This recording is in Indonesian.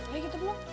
boleh kita pulang